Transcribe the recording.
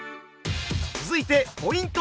続いてポイント